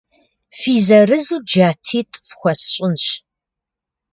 Фи зырызу джатитӏ фхуэсщӏынщ.